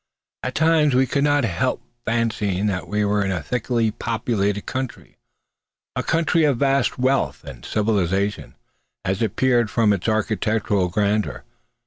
At times we could not help fancying that we were in a thickly populated country a country of vast wealth and civilisation, as appeared from its architectural grandeur.